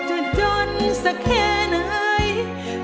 จะทุกข์จะจนสักแค่ไหน